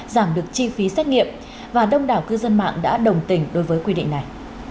giảm được chi phí xét nghiệm và đông đảo cư dân mạng đã đồng tình đối với quy định này